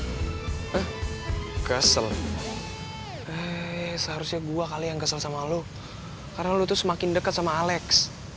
hel seharusnya gue kali yang kesel sama lo karena lu tuh semakin dekat sama alex